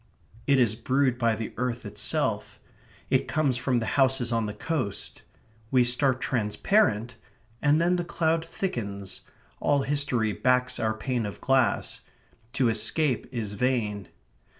It is brewed by the earth itself. It comes from the houses on the coast. We start transparent, and then the cloud thickens. All history backs our pane of glass. To escape is vain.